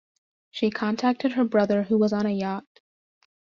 She contacted her brother who was on a yacht.